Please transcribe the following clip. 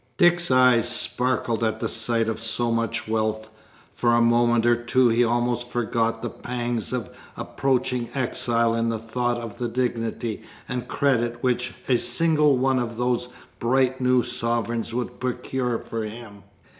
Dick's eyes sparkled at the sight of so much wealth; for a moment or two he almost forgot the pangs of approaching exile in the thought of the dignity and credit which a single one of those bright new sovereigns would procure for him.